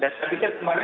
dan saya pikir kemarin